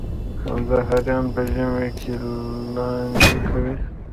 کندهاریان په ژمي کي لاندی کوي.